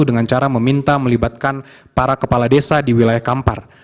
dengan cara meminta melibatkan para kepala desa di wilayah kampar